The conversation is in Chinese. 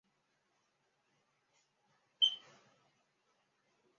荣子与义持也喜欢田乐。